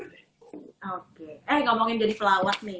oke eh ngomongin jadi pelawak nih